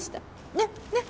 ねっねっ？